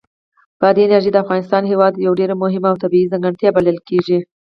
بادي انرژي د افغانستان هېواد یوه ډېره مهمه طبیعي ځانګړتیا بلل کېږي.